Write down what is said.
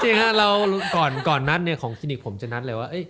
จริงก่อนนัดของคลินิกผมจะนัดเลยว่า